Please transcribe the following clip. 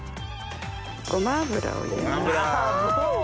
ごま油を入れます。